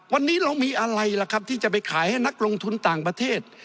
วันนี้เรามีอะไรล่ะครับที่จะไปขายให้นักลงทุนต่างประเทศ